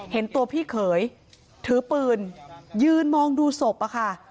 เห็นตัวพี่เขยถือปืนยืนมองดูศพอะค่ะ